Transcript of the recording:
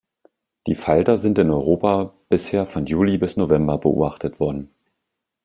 Die Falter sind in Europa bisher von Juli bis November beobachtet worden.